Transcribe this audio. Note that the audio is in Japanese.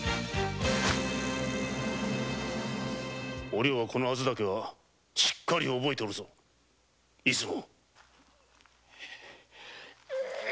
お涼はこのアザだけはしっかり覚えているぞ出雲！